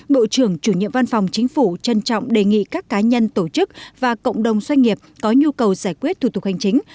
bộ trưởng chủ nhiệm văn phòng chính phủ trân trọng đề nghị các cá nhân tổ chức và cộng đồng doanh nghiệp có nhu cầu giải quyết thủ tục hành chính